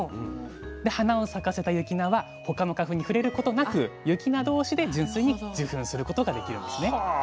で花を咲かせた雪菜は他の花粉に触れることなく雪菜どうしで純粋に受粉することができるんですね。